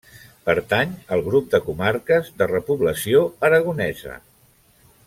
Pertany al grup de comarques de repoblació aragonesa.